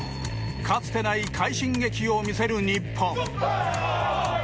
かつてない快進撃を続ける日本。